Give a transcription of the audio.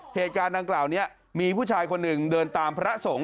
เหตุการณ์ดังกล่าวนี้มีผู้ชายคนหนึ่งเดินตามพระสงฆ์